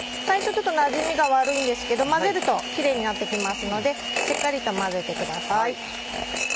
最初ちょっとなじみが悪いんですけど混ぜるとキレイになって来ますのでしっかりと混ぜてください。